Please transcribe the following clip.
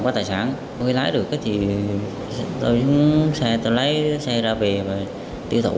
nếu tôi lái được thì tôi sẽ lấy xe ra về và tiêu thụ